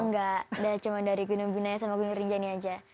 nggak cuma dari gunung binaya sama gunung rinjani aja